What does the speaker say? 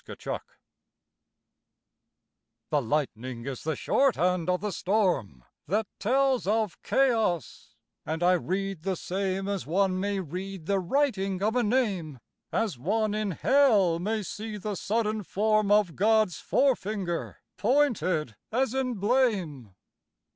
The lightning is the shorthand of the storm That tells of chaos; and I read the same As one may read the writing of a name, As one in Hell may see the sudden form Of God's fore finger pointed as in blame.